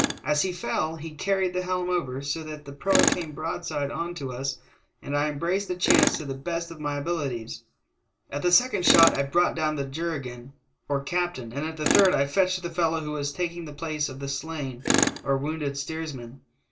As he fell he carried the helm over so that the I proa came broadside on to us, and I embraced the chance to the best of my 268 THE TALKING HANDKERCHIEF. abilities. At the second shot I brought down the juragan or captain, and at the third I fetched the fellow who was taking the place of the slain or wounded steersman.